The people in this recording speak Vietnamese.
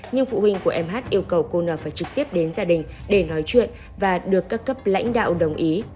nhưng phụ huynh của em hát yêu cầu cô nào phải trực tiếp đến gia đình để nói chuyện và được các cấp lãnh đạo đồng ý